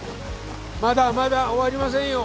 まだまだ終わりませんよ。